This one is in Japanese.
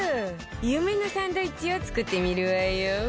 夢のサンドイッチを作ってみるわよ